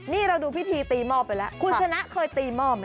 นี่เราดูพิธีตีหม้อไปแล้วคุณชนะเคยตีหม้อไหม